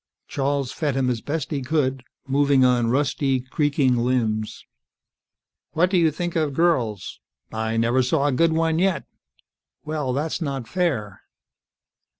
Charles fed him as best he could, moving on rusty, creaking limbs. "What do you think of girls?" "I never saw a good one yet." "Well, that's not fair."